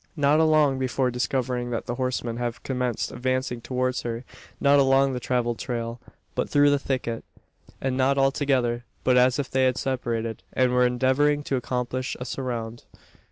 Not long, before discovering that the horsemen have commenced advancing towards her not along the travelled trail, but through the thicket! And not all together, but as if they had separated, and were endeavouring to accomplish a surround!